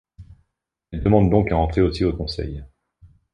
Elle demande donc à entrer aussi au conseil.